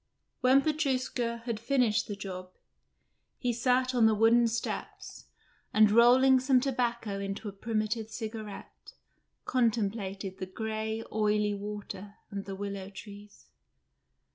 When Petrushka had finished the job, he sat on the wooden steps, and rolling some tobacco into a primitive cigarette, contemplated the grey, oily water and the willow trees.